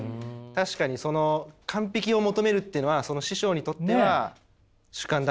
確かにその完璧を求めるっていうのは師匠にとっては主観だった。